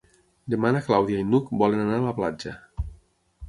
Demà na Clàudia i n'Hug volen anar a la platja.